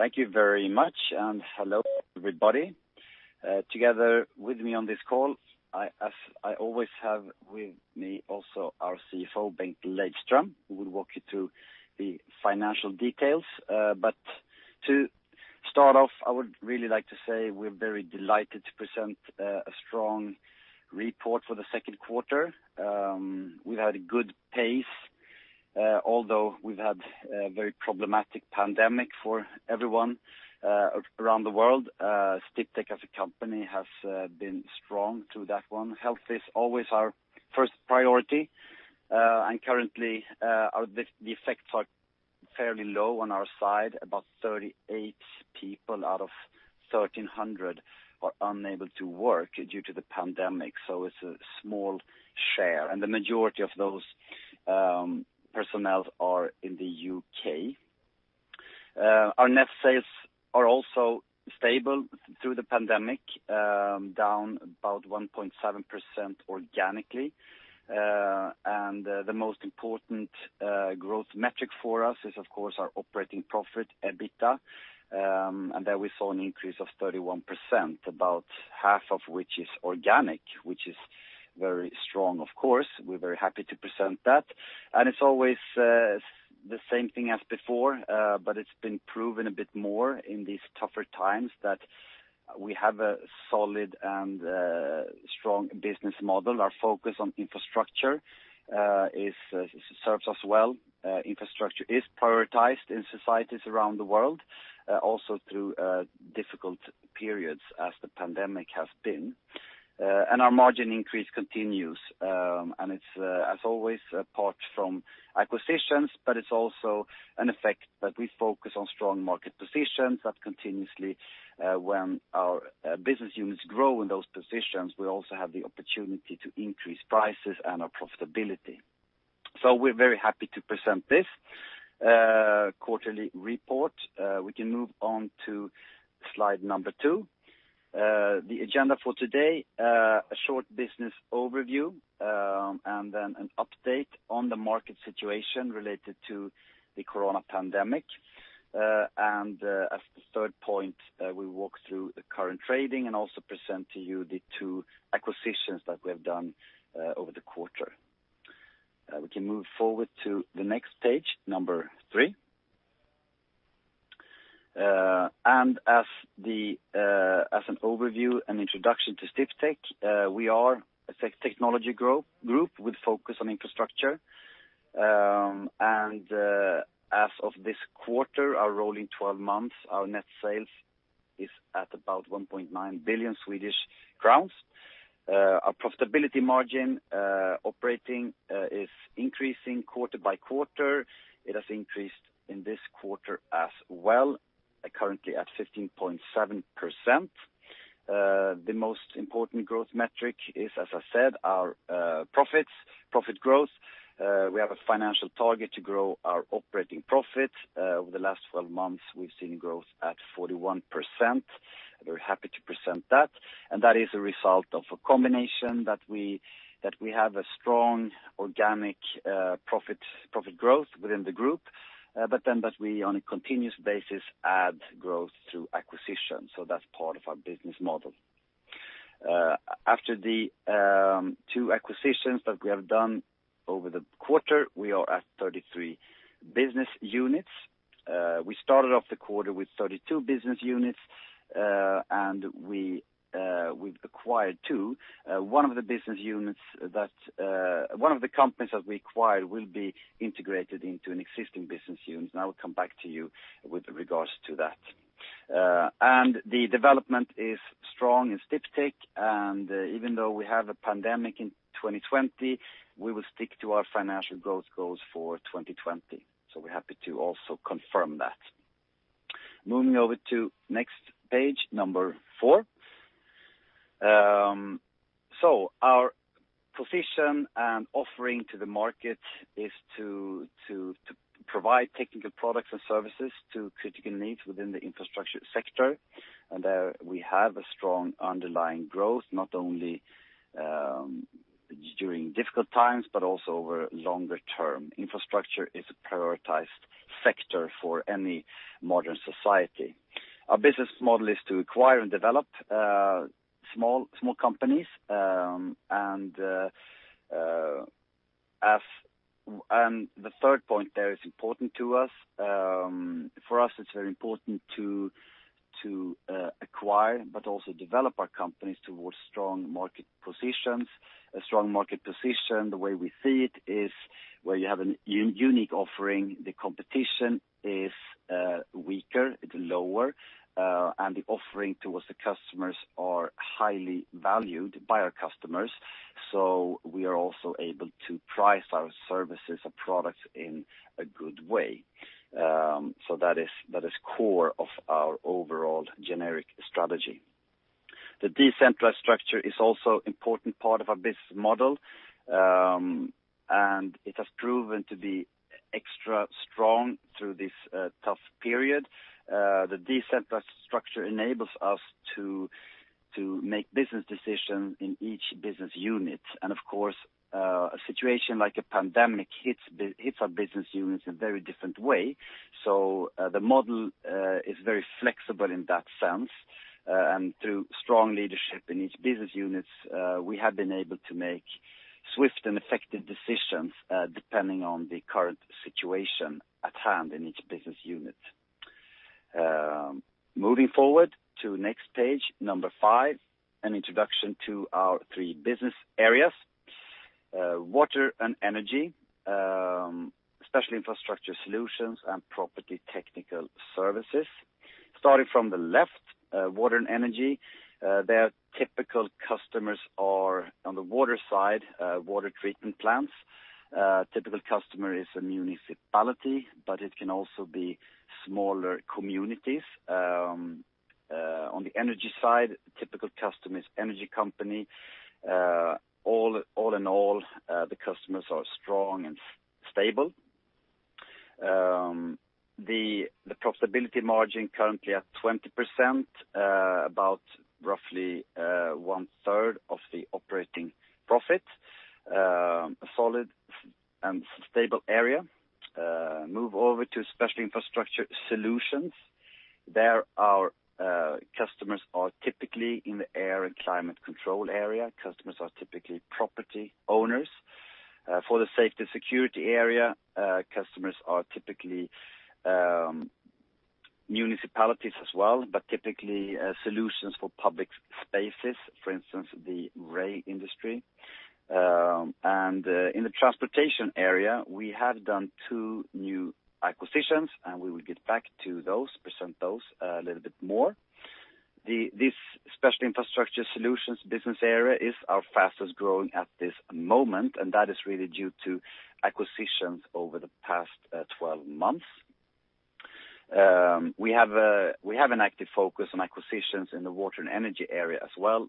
Thank you very much, hello everybody. Together with me on this call, as I always have with me, also our CFO, Bengt Lejdström, who will walk you through the financial details. To start off, I would really like to say we're very delighted to present a strong report for the second quarter. We've had a good pace. Although we've had a very problematic pandemic for everyone around the world, Sdiptech as a company has been strong through that one. Health is always our first priority, and currently, the effects are fairly low on our side. About 38 people out of 1,300 are unable to work due to the pandemic, so it's a small share. The majority of those personnel are in the U.K. Our net sales are also stable through the pandemic, down about 1.7% organically. The most important growth metric for us is, of course, our operating profit, EBITDA. There we saw an increase of 31%, about half of which is organic, which is very strong, of course. We're very happy to present that. It's always the same thing as before, but it's been proven a bit more in these tougher times that we have a solid and strong business model. Our focus on infrastructure serves us well. Infrastructure is prioritized in societies around the world, also through difficult periods as the pandemic has been. Our margin increase continues. It's, as always, apart from acquisitions, but it's also an effect that we focus on strong market positions. Continuously, when our business units grow in those positions, we also have the opportunity to increase prices and our profitability. We're very happy to present this quarterly report. We can move on to slide number two. The agenda for today, a short business overview, and then an update on the market situation related to the coronavirus pandemic. As the third point, we'll walk through the current trading and also present to you the two acquisitions that we have done over the quarter. We can move forward to the next page, number 3. As an overview and introduction to Sdiptech, we are a technology group with focus on infrastructure. As of this quarter, our rolling 12 months, our net sales is at about 1.9 billion Swedish crowns. Our profitability margin operating is increasing quarter by quarter. It has increased in this quarter as well, currently at 15.7%. The most important growth metric is, as I said, our profit growth. We have a financial target to grow our operating profit. Over the last 12 months, we've seen growth at 41%. We're happy to present that. That is a result of a combination that we have a strong organic profit growth within the group, but then that we on a continuous basis add growth through acquisition. That's part of our business model. After the two acquisitions that we have done over the quarter, we are at 33 business units. We started off the quarter with 32 business units, and we've acquired two. One of the companies that we acquired will be integrated into an existing business unit, and I will come back to you with regards to that. The development is strong in Sdiptech, and even though we have a pandemic in 2020, we will stick to our financial growth goals for 2020. We're happy to also confirm that. Moving over to next page, number four. Our position and offering to the market is to provide technical products and services to critical needs within the infrastructure sector. There we have a strong underlying growth, not only during difficult times, but also over longer term. Infrastructure is a prioritized sector for any modern society. Our business model is to acquire and develop small companies. The third point there is important to us. For us, it's very important to acquire but also develop our companies towards strong market positions. A strong market position, the way we see it, is where you have a unique offering. The competition is weaker, it's lower, and the offering towards the customers are highly valued by our customers. We are also able to price our services and products in a good way. That is core of our overall generic strategy. The decentralized structure is also important part of our business model, and it has proven to be extra strong through this tough period. The decentralized structure enables us to make business decisions in each business unit. Of course, a situation like a pandemic hits our business units in a very different way. The model is very flexible in that sense. Through strong leadership in each business unit, we have been able to make swift and effective decisions, depending on the current situation at hand in each business unit. Moving forward to next page, number five, an introduction to our three business areas, Water and Energy, Special Infrastructure Solutions, and Property Technical Services. Starting from the left, Water and Energy, their typical customers are, on the water side, water treatment plants. A typical customer is a municipality, but it can also be smaller communities. On the energy side, a typical customer is energy company. All in all, the customers are strong and stable. The profitability margin currently at 20%, about roughly one third of the operating profit. A solid and stable area. Move over to Special Infrastructure Solutions. There, our customers are typically in the air and climate control area. Customers are typically property owners. For the safety and security area, customers are typically municipalities as well, but typically solutions for public spaces, for instance, the rail industry. In the transportation area, we have done two new acquisitions, and we will get back to those, present those a little bit more. This Special Infrastructure Solutions business area is our fastest-growing at this moment, and that is really due to acquisitions over the past 12 months. We have an active focus on acquisitions in the water and energy area as well.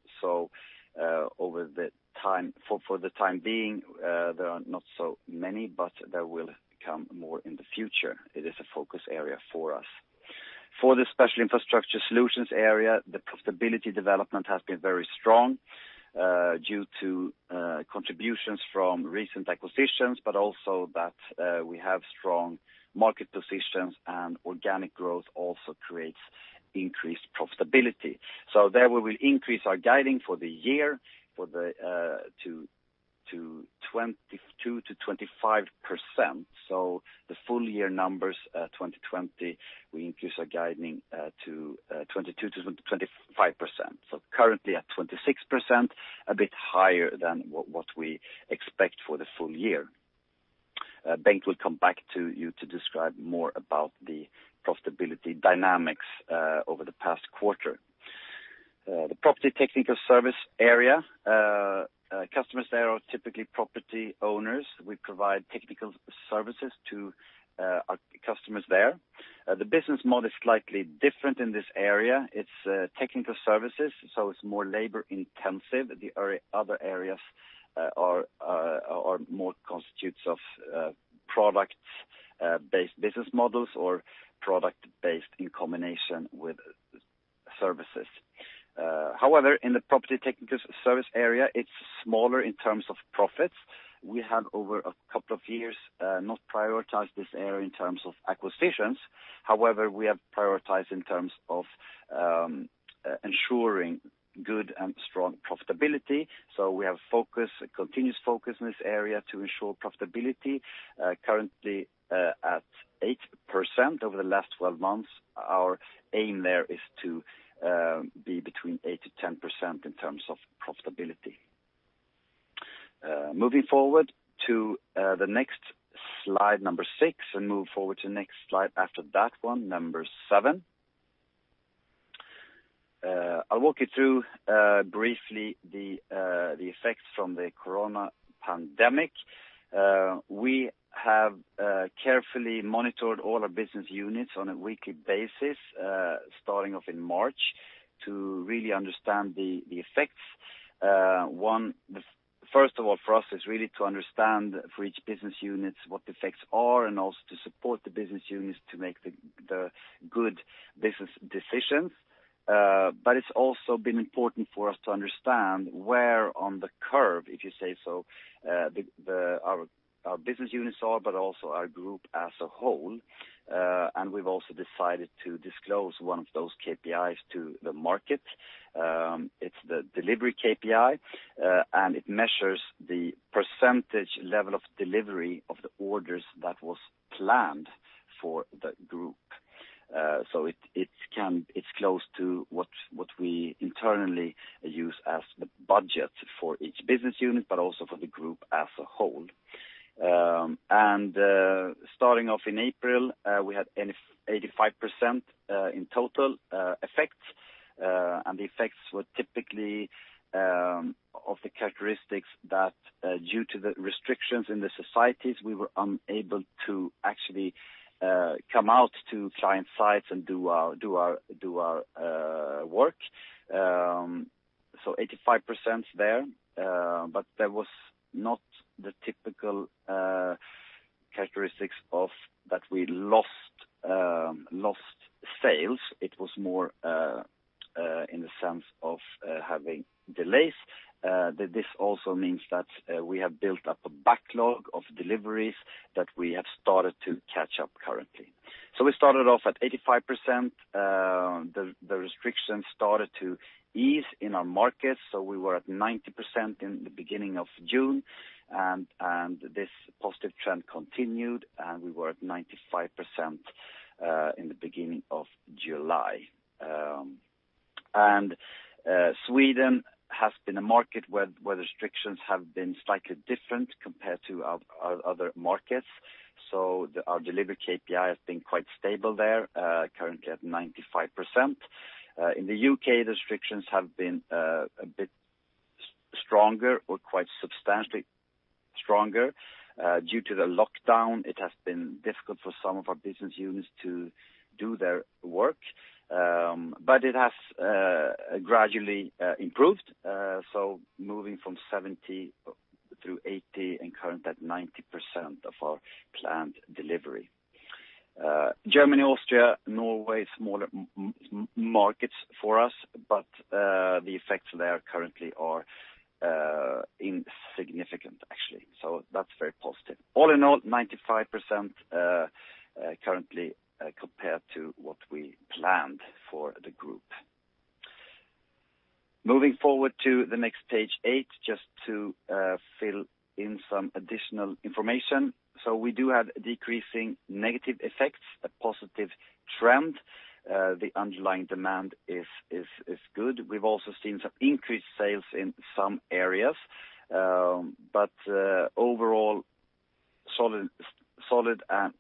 For the time being, there are not so many, but there will come more in the future. It is a focus area for us. For the special infrastructure solutions area, the profitability development has been very strong due to contributions from recent acquisitions, but also that we have strong market positions and organic growth also creates increased profitability. There we will increase our guiding for the year to 22%-25%. The full year numbers 2020, we increase our guiding to 22%-25%. Currently at 26%, a bit higher than what we expect for the full year. Bengt will come back to you to describe more about the profitability dynamics over the past quarter. The property technical service area, customers there are typically property owners. We provide technical services to our customers there. The business model is slightly different in this area. It's technical services, so it's more labor-intensive. The other areas more constitutes of product-based business models or product-based in combination with services. In the property technical service area, it's smaller in terms of profits. We have over a couple of years not prioritized this area in terms of acquisitions. We have prioritized in terms of ensuring good and strong profitability. We have continuous focus in this area to ensure profitability, currently at 8% over the last 12 months. Our aim there is to be between 8%-10% in terms of profitability. Moving forward to the next slide, number six, and move forward to the next slide after that one, number seven. I'll walk you through briefly the effects from the corona pandemic. We have carefully monitored all our business units on a weekly basis, starting off in March, to really understand the effects. First of all, for us, it's really to understand for each business unit what the effects are, and also to support the business units to make the good business decisions. It's also been important for us to understand where on the curve, if you say so, our business units are, but also our group as a whole. We've also decided to disclose one of those KPIs to the market. It's the delivery KPI, and it measures the percentage level of delivery of the orders that was planned for the group. It's close to what we internally use as the budget for each business unit, but also for the group as a whole. Starting off in April, we had 85% in total effect. The effects were typically of the characteristics that due to the restrictions in the societies, we were unable to actually come out to client sites and do our work. 85% there, but that was not the typical characteristics of that we lost sales. It was more in the sense of having delays. This also means that we have built up a backlog of deliveries that we have started to catch up currently. We started off at 85%. The restrictions started to ease in our markets, so we were at 90% in the beginning of June, and this positive trend continued, and we were at 95% in the beginning of July. Sweden has been a market where restrictions have been slightly different compared to our other markets. Our delivery KPI has been quite stable there, currently at 95%. In the U.K., restrictions have been a bit stronger or quite substantially stronger. Due to the lockdown, it has been difficult for some of our business units to do their work, but it has gradually improved. Moving from 70% through 80% and currently at 90% of our planned delivery. Germany, Austria, Norway, smaller markets for us, but the effects there currently are insignificant, actually. That's very positive. All in all, 95% currently compared to what we planned for the group. Moving forward to the next page, eight, just to fill in some additional information. We do have decreasing negative effects, a positive trend. The underlying demand is good. We've also seen some increased sales in some areas, but overall solid and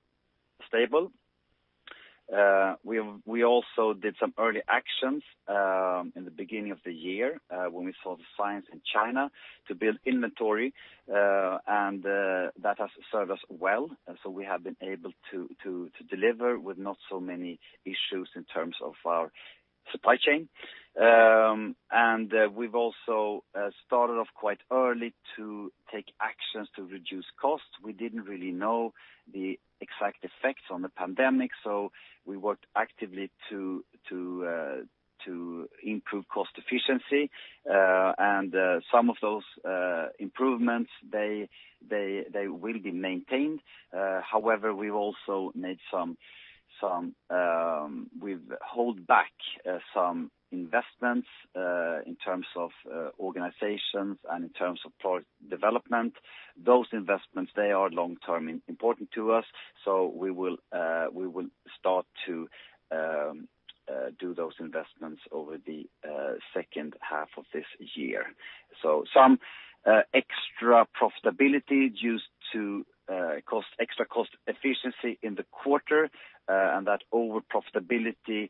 stable. We also did some early actions in the beginning of the year when we saw the signs in China to build inventory, and that has served us well. We have been able to deliver with not so many issues in terms of our supply chain. We've also started off quite early to take actions to reduce costs. We didn't really know the exact effects on the pandemic, so we worked actively to improve cost efficiency, and some of those improvements, they will be maintained. However, we've held back some investments in terms of organizations and in terms of product development. Those investments, they are long-term important to us, so we will start to do those investments over the second half of this year. Some extra profitability due to extra cost efficiency in the quarter, and that overprofitability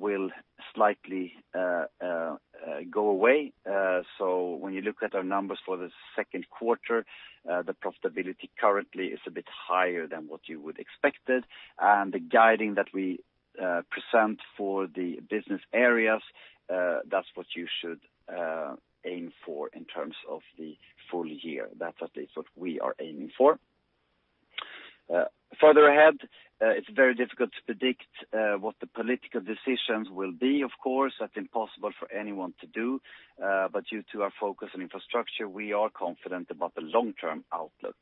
will slightly go away. When you look at our numbers for the second quarter, the profitability currently is a bit higher than what you would expected, and the guiding that we present for the business areas, that's what you should aim for in terms of the full year. That's at least what we are aiming for. Further ahead, it's very difficult to predict what the political decisions will be, of course. That's impossible for anyone to do. Due to our focus on infrastructure, we are confident about the long-term outlook.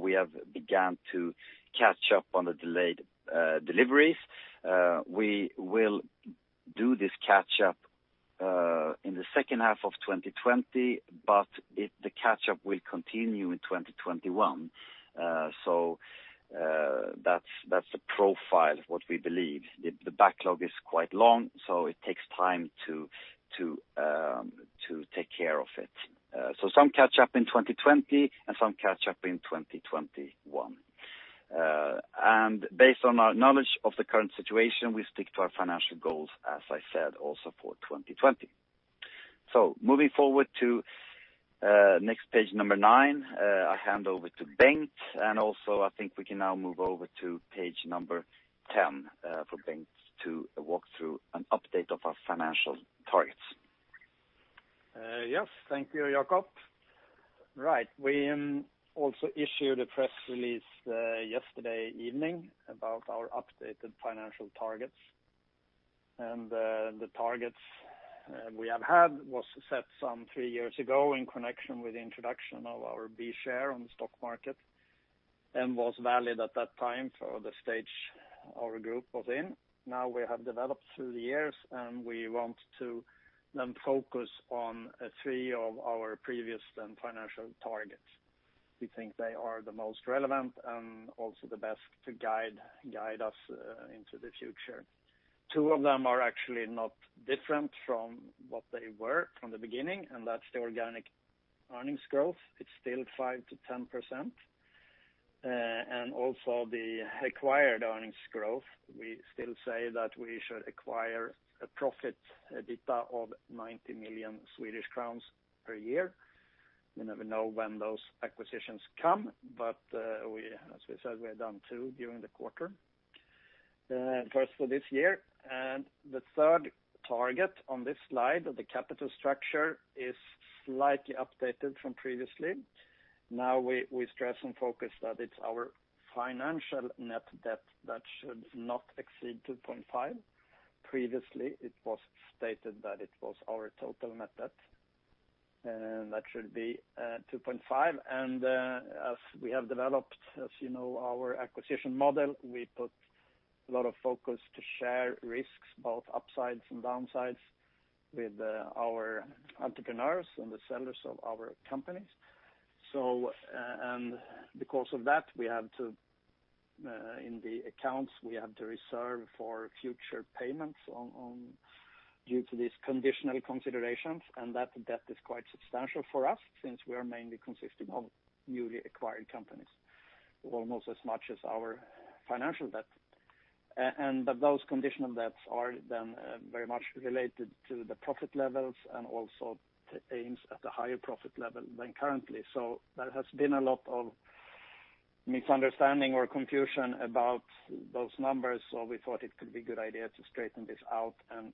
We have begun to catch up on the delayed deliveries. We will do this catch up in the second half of 2020, but the catch up will continue in 2021. That's the profile of what we believe. The backlog is quite long, so it takes time to take care of it. Some catch up in 2020 and some catch up in 2021. Based on our knowledge of the current situation, we stick to our financial goals, as I said, also for 2020. Moving forward to next page nine, I hand over to Bengt, and also I think we can now move over to page 10 for Bengt to walk through an update of our financial targets. Yes. Thank you, Jakob. Right. We also issued a press release yesterday evening about our updated financial targets. The targets we have had was set some three years ago in connection with the introduction of our B share on the stock market, and was valid at that time for the stage our group was in. Now we have developed through the years, and we want to then focus on three of our previous financial targets. We think they are the most relevant and also the best to guide us into the future. Two of them are actually not different from what they were from the beginning, and that's the organic earnings growth. It's still 5%-10%. Also the acquired earnings growth. We still say that we should acquire a profit, EBITDA, of 90 million Swedish crowns per year. We never know when those acquisitions come, but as we said, we have done two during the quarter. First for this year, the third target on this slide of the capital structure is slightly updated from previously. Now we stress and focus that it's our financial net debt that should not exceed 2.5. Previously, it was stated that it was our total net debt, and that should be 2.5. As we have developed, as you know, our acquisition model, we put a lot of focus to share risks, both upsides and downsides, with our entrepreneurs and the sellers of our companies. Because of that, in the accounts, we have to reserve for future payments due to these contingent considerations, and that debt is quite substantial for us since we are mainly consisting of newly acquired companies, almost as much as our financial debt. Those conditional debts are then very much related to the profit levels and also aims at the higher profit level than currently. That has been a lot of misunderstanding or confusion about those numbers. We thought it could be good idea to straighten this out and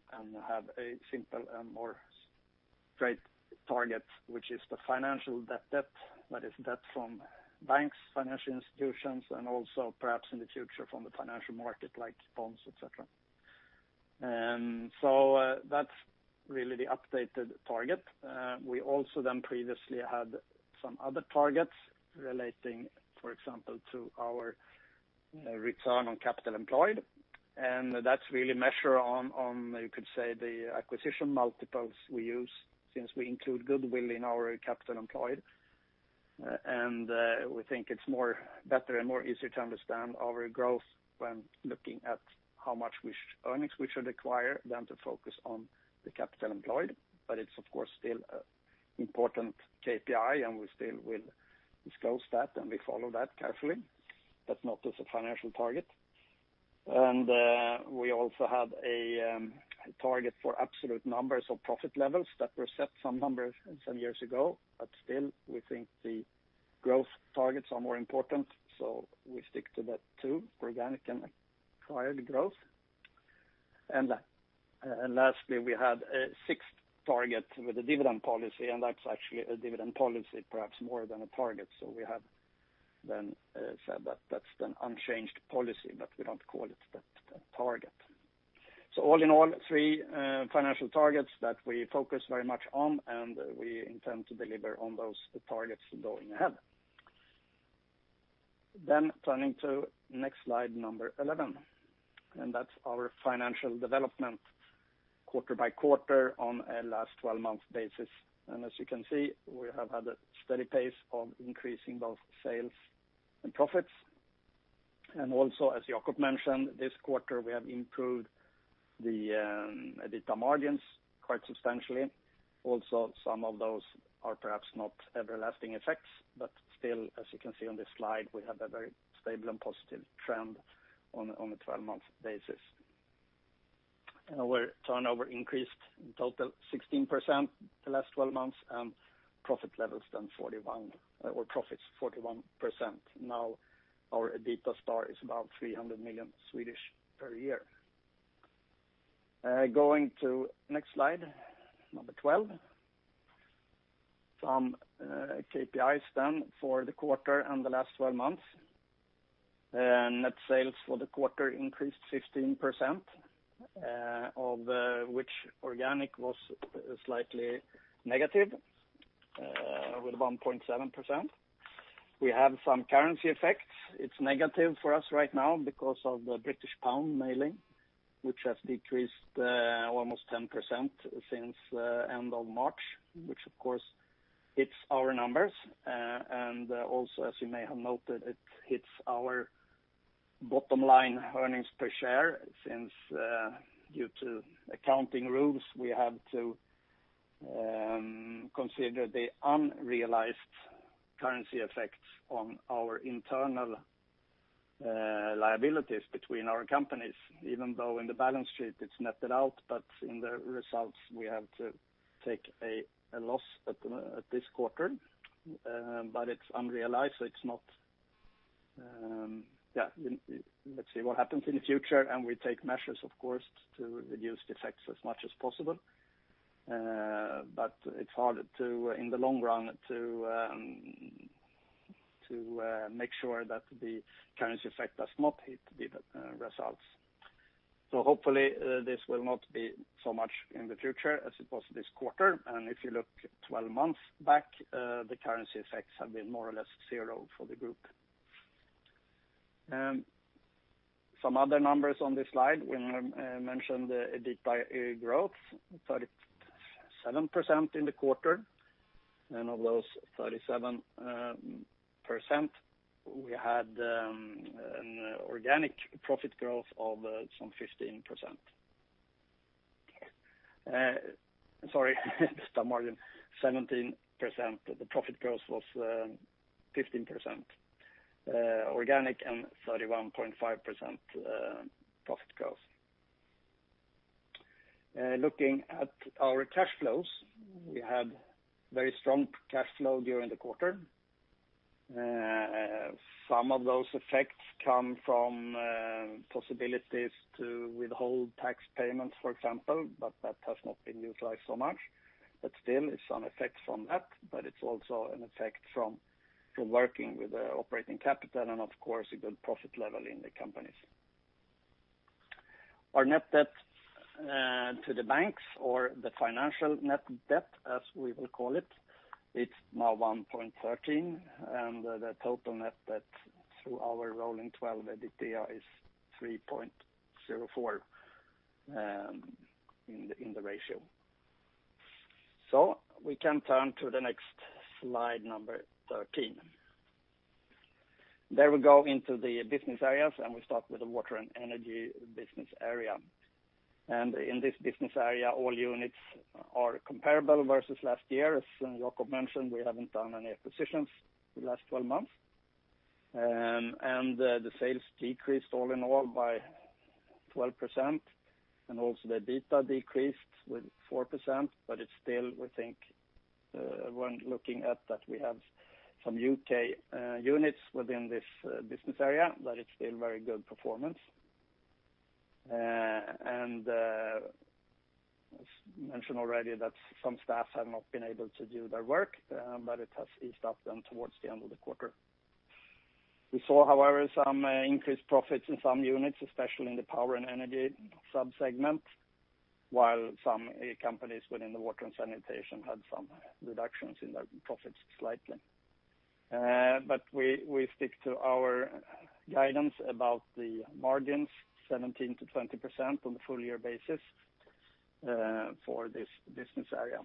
have a simple and more straight target, which is the financial debt. That is debt from banks, financial institutions, and also perhaps in the future from the financial market, like bonds, et cetera. That's really the updated target. We also previously had some other targets relating, for example, to our return on capital employed, and that's really measured on, you could say the acquisition multiples we use since we include goodwill in our capital employed. We think it's better and more easier to understand our growth when looking at how much earnings we should acquire than to focus on the capital employed. It's of course, still an important KPI, and we still will disclose that, and we follow that carefully, but not as a financial target. We also had a target for absolute numbers of profit levels that were set some numbers some years ago, but still, we think the growth targets are more important, so we stick to that too, organic and acquired growth. Lastly, we had a sixth target with the dividend policy, and that's actually a dividend policy, perhaps more than a target. We have then said that that's an unchanged policy, but we don't call it that a target. All in all, three financial targets that we focus very much on, and we intend to deliver on those targets going ahead. Turning to next slide number 11, that's our financial development quarter by quarter on a last 12-month basis. As you can see, we have had a steady pace of increasing both sales and profits. Also as Jakob mentioned this quarter, we have improved the EBITDA margins quite substantially. Also, some of those are perhaps not everlasting effects, but still, as you can see on this slide, we have a very stable and positive trend on a 12-month basis. Our turnover increased in total 16% the last 12 months, and profit levels stand or profits 41%. Our EBITDA star is about 300 million per year. Going to next slide, number 12. Some KPIs for the quarter and the last 12 months. Net sales for the quarter increased 16%, of which organic was slightly negative, with 1.7%. We have some currency effects. It's negative for us right now because of the British pound mainly, which has decreased almost 10% since end of March, which of course hits our numbers. Also, as you may have noted, it hits our bottom line earnings per share since due to accounting rules, we had to consider the unrealized currency effects on our internal liabilities between our companies, even though in the balance sheet it's netted out, in the results, we have to take a loss at this quarter. It's unrealized, let's see what happens in the future, we take measures of course, to reduce effects as much as possible. It's hard in the long run to make sure that the currency effect does not hit the results. Hopefully, this will not be so much in the future as it was this quarter. If you look 12 months back, the currency effects have been more or less zero for the group. Some other numbers on this slide. We mentioned the EBITDA growth, 37% in the quarter. Of those 37%, we had an organic profit growth of some 15%. Sorry, EBITDA margin 17%. The profit growth was 15% organic and 31.5% profit growth. Looking at our cash flows, we had very strong cash flow during the quarter. Some of those effects come from possibilities to withhold tax payments, for example, but that has not been utilized so much. Still, it's an effect from that, but it's also an effect from working with the operating capital and of course, a good profit level in the companies. Our net debt to the banks or the financial net debt, as we will call it's now 1.13, and the total net debt through our rolling 12 EBITDA is 3.04 in the ratio. We can turn to the next slide, number 13. There we go into the business areas, and we start with the water and energy business area. In this business area, all units are comparable versus last year. As Jakob mentioned, we haven't done any acquisitions the last 12 months. The sales decreased all in all by 12%, also the EBITA decreased with 4%, but it's still, we think, when looking at that we have some U.K. units within this business area, that it's still very good performance. As mentioned already, that some staff have not been able to do their work, but it has eased up then towards the end of the quarter. We saw, however, some increased profits in some units, especially in the power and energy sub-segment, while some companies within the water and sanitation had some reductions in their profits slightly. We stick to our guidance about the margins 17%-20% on the full-year basis for this business area.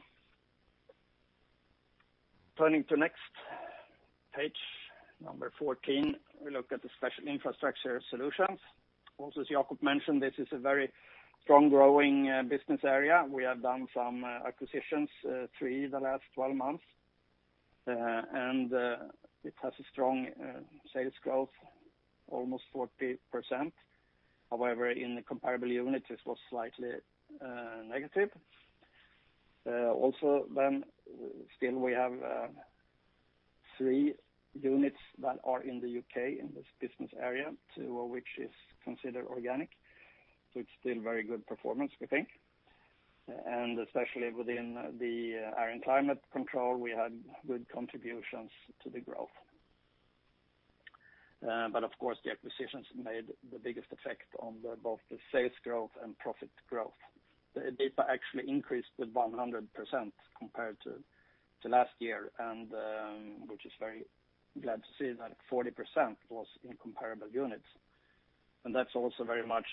Turning to next page, number 14, we look at the Special Infrastructure Solutions. As Jakob mentioned, this is a very strong growing business area. We have done some acquisitions, three in the last 12 months, and it has a strong sales growth, almost 40%. However, in the comparable units, it was slightly negative. Still we have three units that are in the U.K. in this business area, two of which is considered organic. It's still very good performance, we think. Especially within the air and climate control, we had good contributions to the growth. Of course, the acquisitions made the biggest effect on both the sales growth and profit growth. The EBITDA actually increased with 100% compared to last year, and which is very glad to see that 40% was in comparable units. That's also very much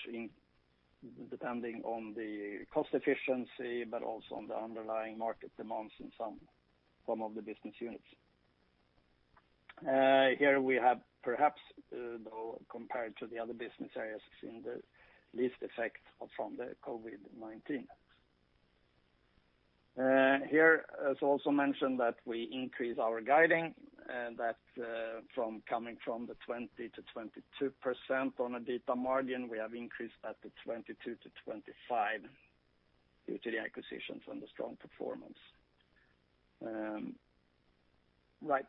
depending on the cost efficiency, but also on the underlying market demands in some of the business units. Here we have perhaps, though, compared to the other business areas, seen the least effect from the COVID-19. Here, as also mentioned, that we increase our guiding, that coming from the 20%-22% on a EBITDA margin, we have increased that to 22%-25% due to the acquisitions and the strong performance. Right. Right.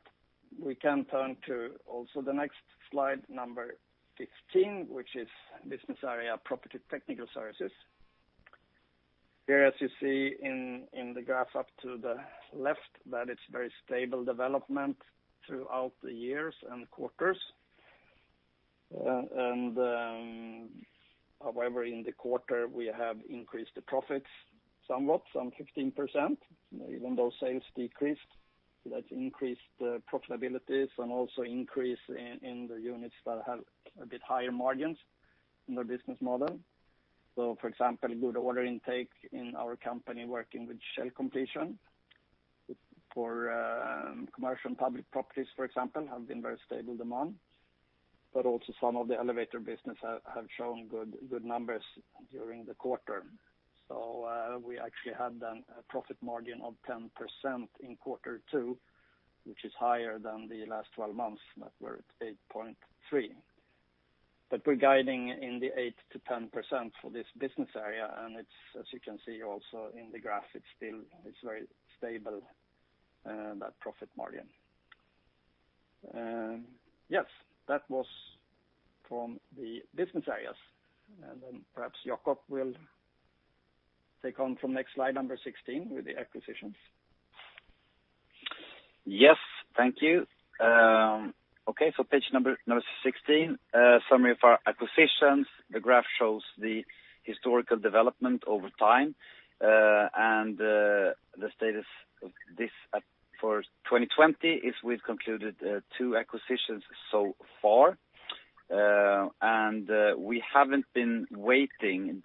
We can turn to also the next slide, number 15, which is business area property technical services. Here as you see in the graph up to the left that it's very stable development throughout the years and quarters. However, in the quarter we have increased the profits somewhat, some 15%, even though sales decreased. That increased the profitability and also increase in the units that have a bit higher margins in their business model. For example, good order intake in our company working with shell completion for commercial and public properties, for example, have been very stable demand. Also some of the elevator business have shown good numbers during the quarter. We actually had a profit margin of 10% in quarter two, which is higher than the last 12 months where it is 8.3%. We are guiding in the 8%-10% for this business area, and as you can see also in the graph, it is very stable, that profit margin. That was from the business areas, perhaps Jakob will take on from next slide 16 with the acquisitions. Yes, thank you. Page number 16, summary of our acquisitions. The graph shows the historical development over time. The status of this for 2020 is we've concluded two acquisitions so far. We haven't been waiting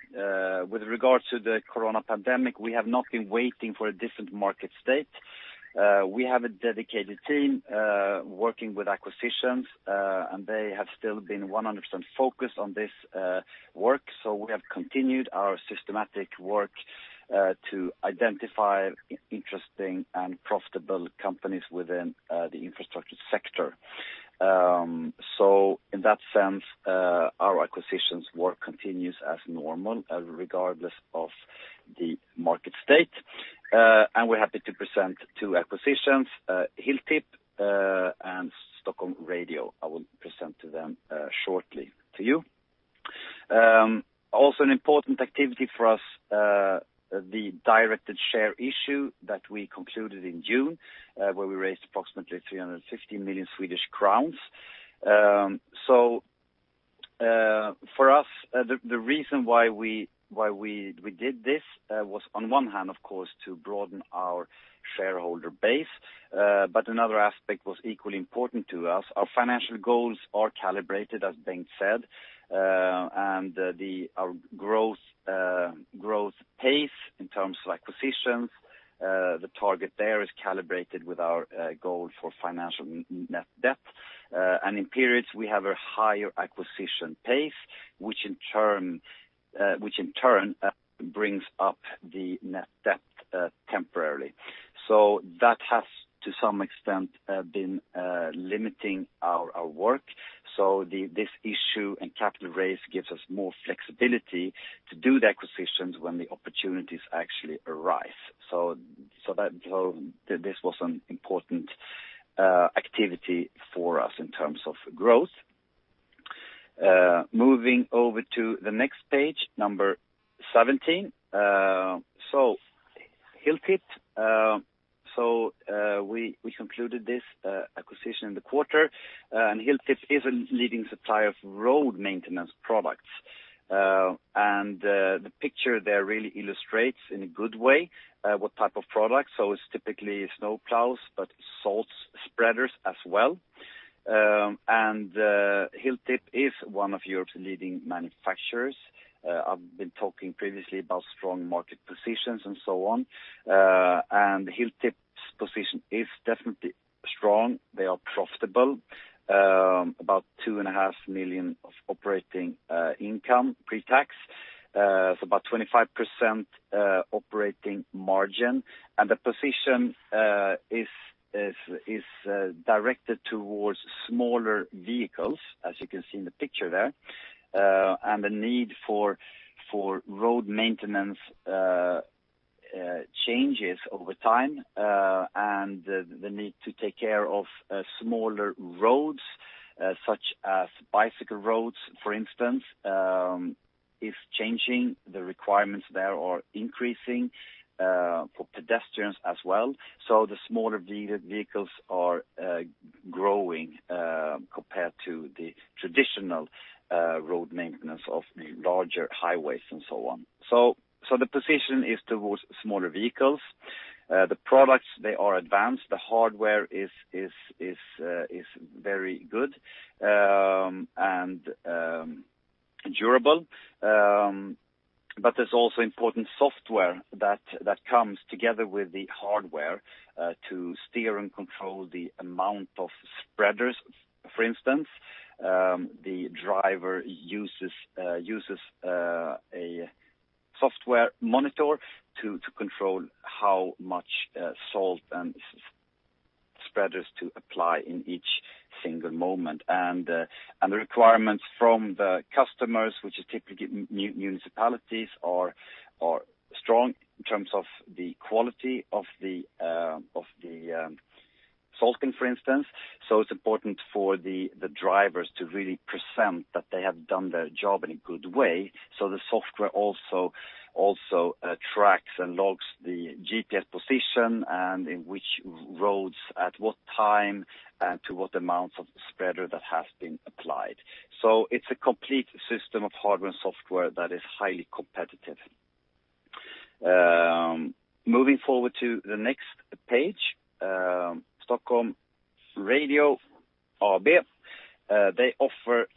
with regards to the corona pandemic, we have not been waiting for a different market state. We have a dedicated team working with acquisitions, and they have still been 100% focused on this work. We have continued our systematic work to identify interesting and profitable companies within the infrastructure sector. In that sense, our acquisitions work continues as normal regardless of the market state. We're happy to present two acquisitions, Hilltip and Stockholm Radio. I will present to them shortly to you. Also an important activity for us, the directed share issue that we concluded in June, where we raised approximately 360 million Swedish crowns. For us, the reason why we did this was on one hand, of course, to broaden our shareholder base. Another aspect was equally important to us. Our financial goals are calibrated, as Bengt said, and our growth pace in terms of acquisitions, the target there is calibrated with our goal for financial net debt. In periods we have a higher acquisition pace, which in turn brings up the net debt temporarily. That has to some extent been limiting our work. This issue and capital raise gives us more flexibility to do the acquisitions when the opportunities actually arise. This was an important activity for us in terms of growth. Moving over to the next page, number 17. Hilltip, we concluded this acquisition in the quarter, and Hilltip is a leading supplier of road maintenance products. The picture there really illustrates in a good way what type of products. It's typically snowplows, but salt spreaders as well. Hilltip is one of Europe's leading manufacturers. I've been talking previously about strong market positions and so on, Hilltip's position is definitely strong. They are profitable, about 2.5 million of operating income pre-tax, 25% operating margin. The position is directed towards smaller vehicles, as you can see in the picture there. The need for road maintenance changes over time, and the need to take care of smaller roads, such as bicycle roads, for instance, is changing. The requirements there are increasing for pedestrians as well. The smaller vehicles are growing compared to the traditional road maintenance of the larger highways and so on. The position is towards smaller vehicles. The products, they are advanced. The hardware is very good and durable. There's also important software that comes together with the hardware to steer and control the amount of spreaders. For instance, the driver uses a software monitor to control how much salt and spreaders to apply in each single moment. The requirements from the customers, which is typically municipalities, are strong in terms of the quality of the salting, for instance. It's important for the drivers to really present that they have done their job in a good way. The software also tracks and logs the GPS position and in which roads, at what time, and to what amounts of spreader that has been applied. It's a complete system of hardware and software that is highly competitive. Moving forward to the next page, Stockholm Radio AB. They offer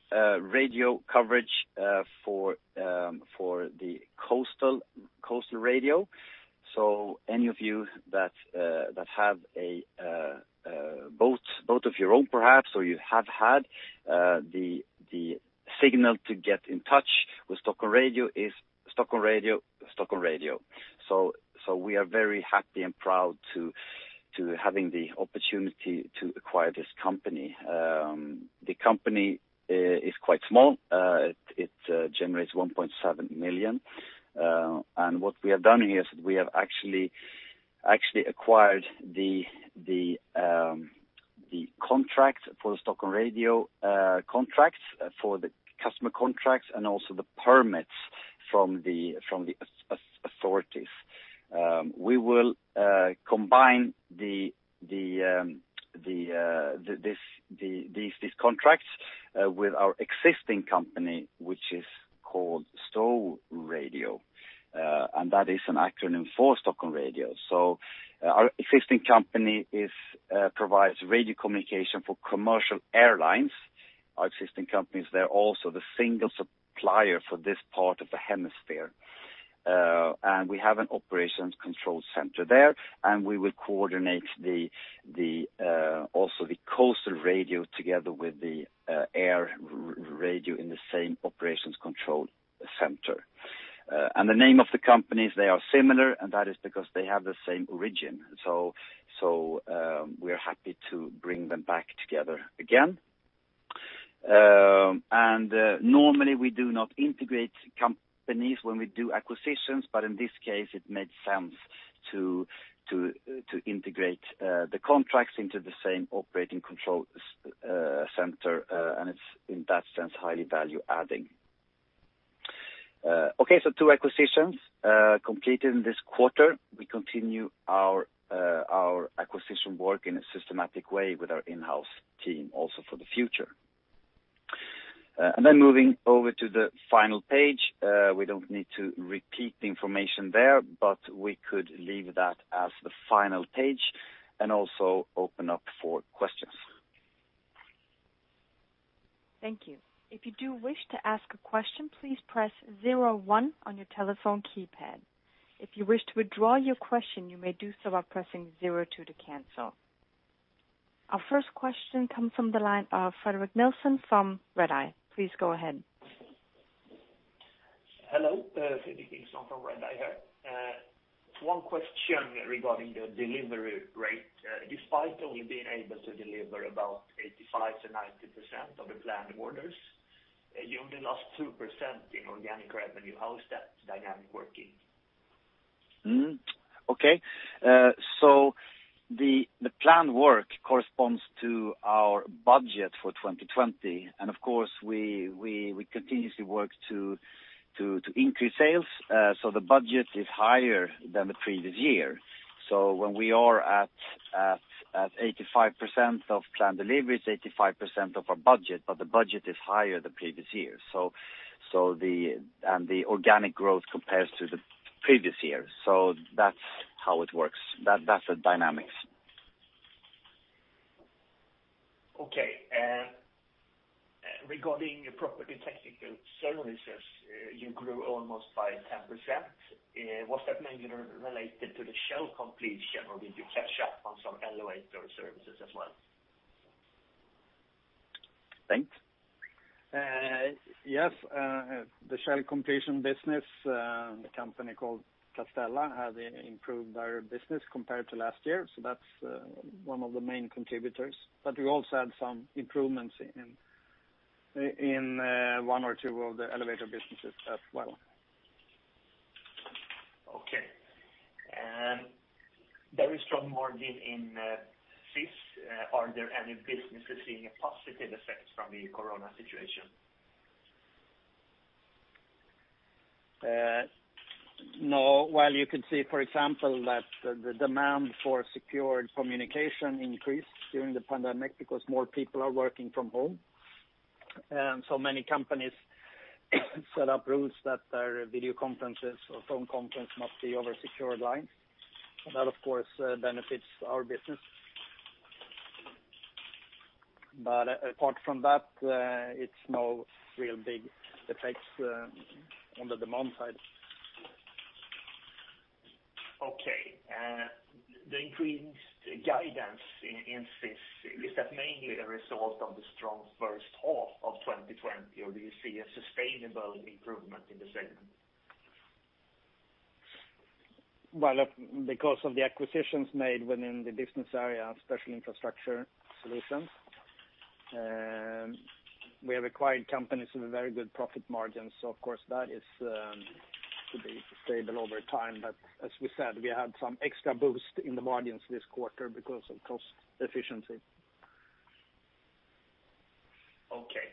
radio coverage for the coastal radio. Any of you that have a boat of your own perhaps, or you have had, the signal to get in touch with Stockholm Radio is Stockholm Radio, Stockholm Radio. We are very happy and proud to having the opportunity to acquire this company. The company is quite small. It generates 1.7 million, and what we have done here is we have actually acquired the contract for the Stockholm Radio contracts, for the customer contracts, and also the permits from the authorities. We will combine these contracts with our existing company, which is called STORADIO, and that is an acronym for Stockholm Radio. Our existing company provides radio communication for commercial airlines. Our existing companies, they're also the single supplier for this part of the hemisphere. We have an operations control center there, and we will coordinate also the coastal radio together with the air radio in the same operations control center. The name of the companies, they are similar, and that is because they have the same origin. We are happy to bring them back together again. Normally we do not integrate companies when we do acquisitions, but in this case, it made sense to integrate the contracts into the same operating control center, and it's, in that sense, highly value-adding. Okay. Two acquisitions completed in this quarter. We continue our acquisition work in a systematic way with our in-house team also for the future. Moving over to the final page. We don't need to repeat the information there, but we could leave that as the final page, and also open up for questions. Thank you. If you do wish to ask a question, please press zero one on your telephone keypad. If you wish to withdraw your question, you may do so by pressing zero two to cancel. Our first question comes from the line of Fredrik Nilsson from Redeye. Please go ahead. Hello. Fredrik Nilsson from Redeye here. One question regarding the delivery rate. Despite only being able to deliver about 85%-90% of the planned orders, you only lost 2% in organic revenue. How is that dynamic working? Okay. The planned work corresponds to our budget for 2020, and of course we continuously work to increase sales. The budget is higher than the previous year. When we are at 85% of planned deliveries, 85% of our budget, but the budget is higher the previous year. The organic growth compares to the previous year. That's how it works. That's the dynamics. Okay. Regarding property technical services, you grew almost by 10%. Was that mainly related to the shell completion, or did you catch up on some elevator services as well? Thanks. Yes, the shell completion business, the company called Castella, has improved our business compared to last year. That's one of the main contributors. We also had some improvements in one or two of the elevator businesses as well. Okay. Very strong margin in SIS. Are there any businesses seeing a positive effect from the corona situation? No. While you could see, for example, that the demand for secure communication increased during the pandemic because more people are working from home, and so many companies set up rules that their video conferences or phone conference must be over a secured line. That, of course, benefits our business. Apart from that, it's no real big effects on the demand side. Okay. The increased guidance in SIS, is that mainly a result of the strong first half of 2020, or do you see a sustainable improvement in the segment? Well, because of the acquisitions made within the business area of Special Infrastructure Solutions, we acquired companies with very good profit margins. Of course, that is to be sustainable over time. As we said, we had some extra boost in the margins this quarter because of cost efficiency. Okay.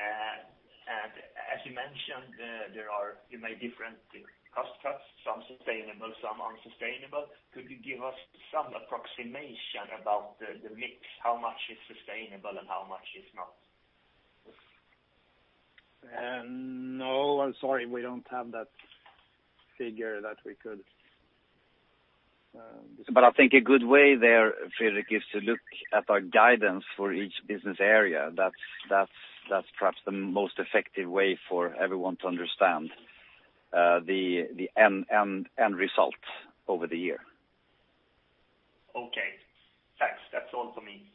As you mentioned, you made different cost cuts, some sustainable, some unsustainable. Could you give us some approximation about the mix, how much is sustainable and how much is not? No, I'm sorry. We don't have that figure. I think a good way there, Fredrik, is to look at our guidance for each business area. That's perhaps the most effective way for everyone to understand the end result over the year. Okay. Thanks. That's all for me.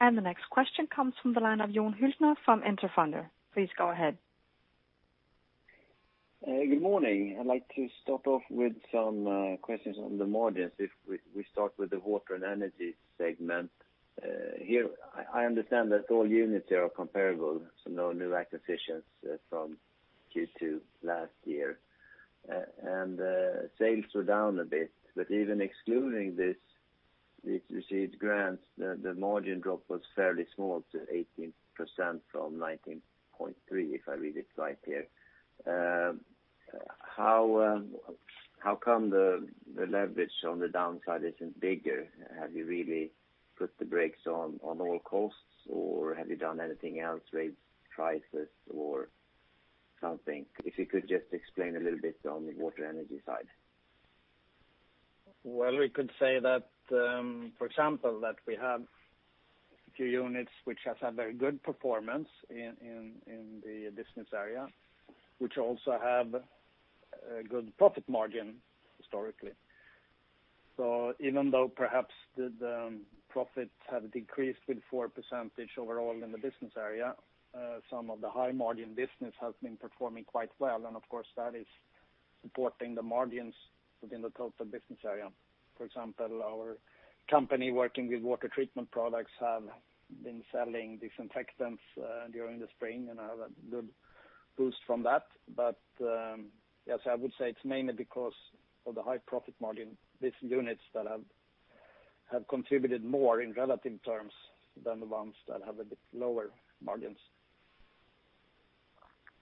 The next question comes from the line of Jon Hyltner from Enter Fonder. Please go ahead. Good morning. I'd like to start off with some questions on the margins. We start with the water and energy segment. Here, I understand that all units are comparable, so no new acquisitions from Q2 last year. Sales were down a bit, but even excluding this, the received grants, the margin drop was fairly small to 18% from 19.3%, if I read it right here. How come the leverage on the downside isn't bigger? Have you really put the brakes on all costs, or have you done anything else, raised prices or something? You could just explain a little bit on the water energy side. Well, we could say that, for example, that we have a few units which has had very good performance in the business area, which also have a good profit margin historically. Even though perhaps the profits have decreased with 4% overall in the business area, some of the high-margin business has been performing quite well. Of course, that is supporting the margins within the total business area. For example, our company working with water treatment products have been selling disinfectants during the spring and have a good boost from that. Yes, I would say it's mainly because of the high profit margin. These units that have contributed more in relative terms than the ones that have a bit lower margins.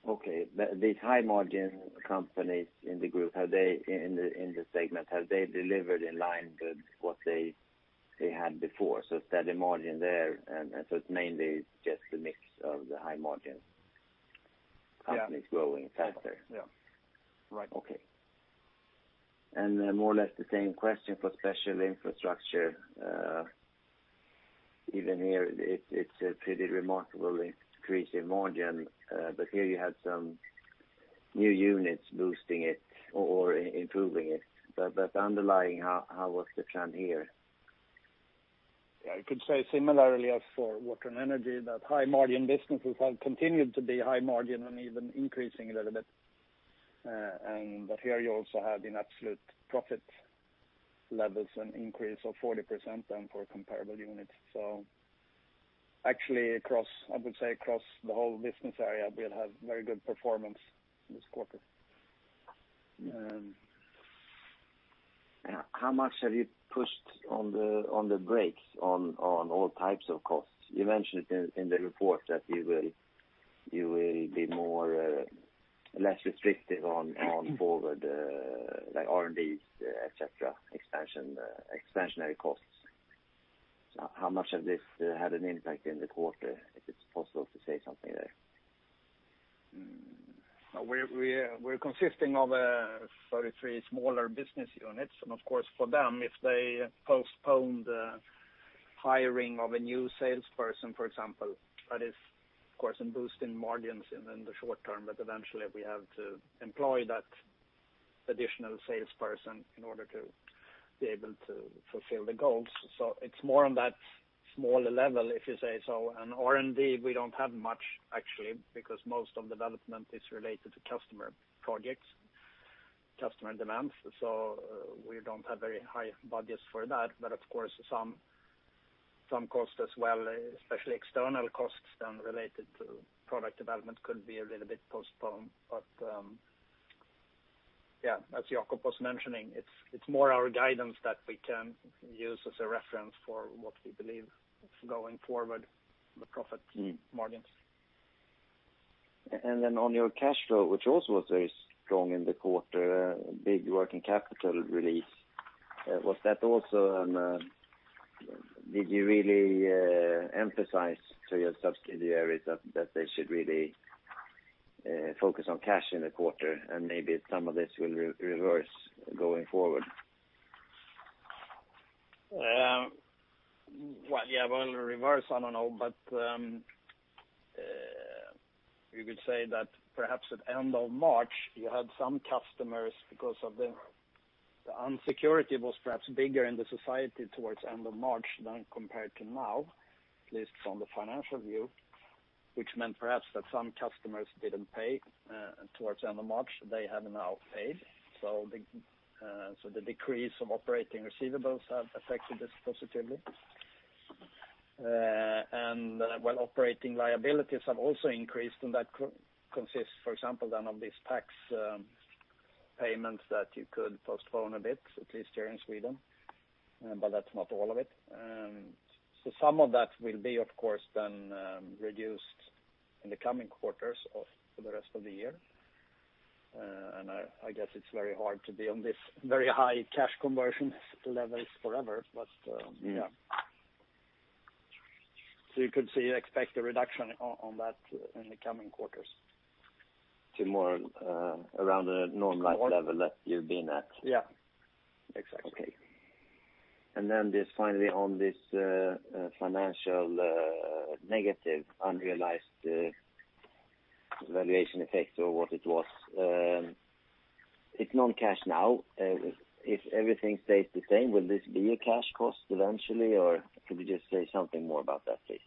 Okay. These high-margin companies in the group, in the segment, have they delivered in line with what they had before? Steady margin there, it's mainly just the mix of the high margin. Yeah companies growing faster? Yeah. Right. Okay. More or less the same question for special infrastructure. Even here, it's pretty remarkably increased in margin, but here you had some new units boosting it or improving it. Underlying, how was the trend here? Yeah, I could say similarly as for water and energy, that high-margin businesses have continued to be high margin and even increasing a little bit. Here you also have the absolute profit levels, an increase of 40% than for comparable units. Actually, I would say across the whole business area, we have very good performance this quarter. How much have you pushed on the brakes on all types of costs? You mentioned it in the report that you will be less restrictive on forward, like R&Ds, et cetera, expansionary costs. How much of this had an impact in the quarter, if it's possible to say something there? We're consisting of 33 smaller business units. Of course, for them, if they postpone the hiring of a new salesperson, for example, that is, of course, a boost in margins in the short term. Eventually, we have to employ that additional salesperson in order to be able to fulfill the goals. It's more on that smaller level, if you say so. R&D, we don't have much actually, because most of development is related to customer projects, customer demands. We don't have very high budgets for that. Of course, some cost as well, especially external costs then related to product development could be a little bit postponed. Yeah, as Jakob was mentioning, it's more our guidance that we can use as a reference for what we believe is going forward, the profit margins. On your cash flow, which also was very strong in the quarter, big working capital release. Did you really emphasize to your subsidiaries that they should really focus on cash in the quarter, and maybe some of this will reverse going forward? Well, yeah, will it reverse? I don't know. You could say that perhaps at end of March, you had some customers because of the insecurity was perhaps bigger in the society towards end of March than compared to now, at least from the financial view, which meant perhaps that some customers didn't pay towards end of March. They have now paid. The decrease of operating receivables have affected this positively. While operating liabilities have also increased, and that consists, for example, then of these tax payments that you could postpone a bit, at least here in Sweden, but that's not all of it. Some of that will be, of course, then reduced in the coming quarters for the rest of the year. I guess it's very hard to be on this very high cash conversion levels forever. Yeah You could say you expect a reduction on that in the coming quarters. To more around a normal level that you've been at. Yeah. Exactly. Okay. Just finally on this financial negative unrealized valuation effect or what it was. It's non-cash now. If everything stays the same, will this be a cash cost eventually, or could you just say something more about that, please?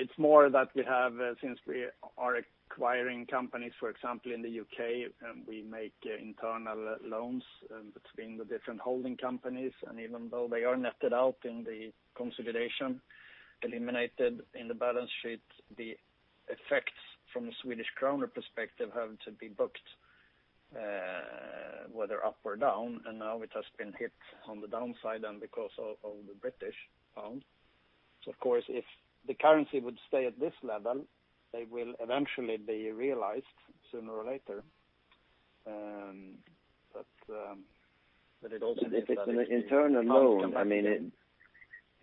It's more that we have, since we are acquiring companies, for example, in the U.K., we make internal loans between the different holding companies, and even though they are netted out in the consolidation, eliminated in the balance sheet, the effects from the Swedish krona perspective have to be booked, whether up or down, and now it has been hit on the downside and because of the British pound. Of course, if the currency would stay at this level, they will eventually be realized sooner or later. If it's an internal loan, I mean,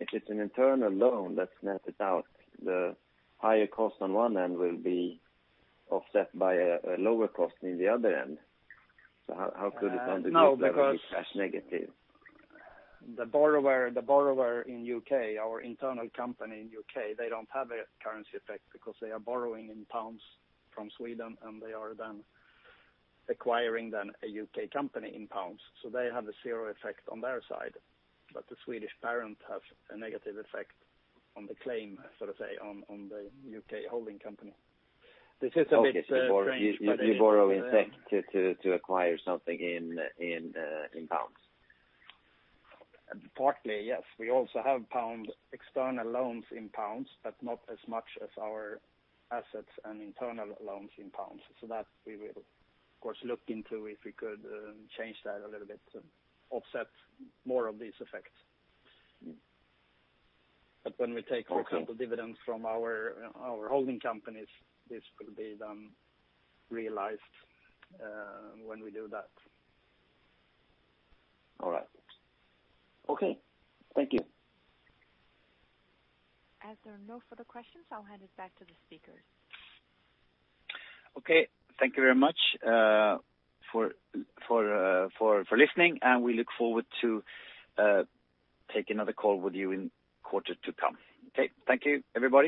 if it's an internal loan that's netted out, the higher cost on one end will be offset by a lower cost in the other end. How could it end up as cash negative? The borrower in U.K., our internal company in U.K., they don't have a currency effect because they are borrowing in GBP from Sweden, and they are then acquiring then a U.K. company in GBP. They have a zero effect on their side, but the Swedish parent has a negative effect on the claim, so to say, on the U.K. holding company. This is a bit strange, but anyway. You borrow in effect to acquire something in GBP. Partly, yes. We also have pound, external loans in GBP, but not as much as our assets and internal loans in GBP. That we will, of course, look into if we could change that a little bit to offset more of these effects. When we take, for example, dividends from our holding companies, this will be then realized when we do that. All right. Okay. Thank you. As there are no further questions, I'll hand it back to the speakers. Okay. Thank you very much for listening. We look forward to take another call with you in quarter to come. Okay. Thank you, everybody.